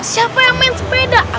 siapa yang main sepeda